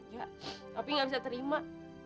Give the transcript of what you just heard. ya tapi gak bisa terima